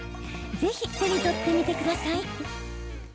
ぜひ手に取ってみてください。